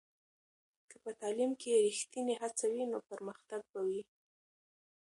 که په تعلیم کې ریښتینې هڅه وي، نو پرمختګ به وي.